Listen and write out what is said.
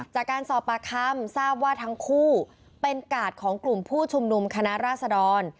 จากการสอบปากคำทราบว่าทั้งคู่เป็นกาดของกลุ่มผู้ชุมนุมคณะราษดร